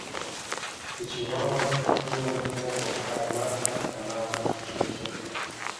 Кечывалат шуын огыл, Аймат каналташ шинче.